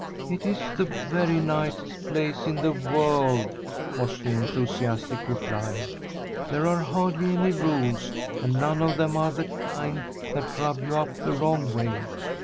"It is the very nicest place in the world," was the enthusiastic reply. "There are hardly any rules, and none of them are the kind that rub you up the wrong way.